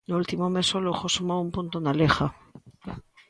No último mes o Lugo sumou un punto na Liga.